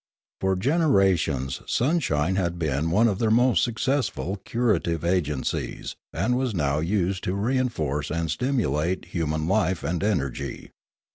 For genera tions sunshine had been one of their most successful curative agencies and was now used to reinforce and stimulate human life and energy.